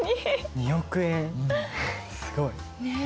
２億円すごい！ね。